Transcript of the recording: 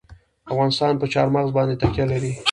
افغانستان په چار مغز باندې تکیه لري.